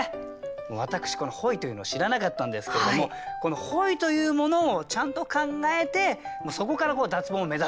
私この本意というのを知らなかったんですけれどもこの本意というものをちゃんと考えてもうそこから脱ボンを目指す。